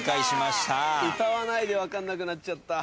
「歌わない」で分かんなくなっちゃった。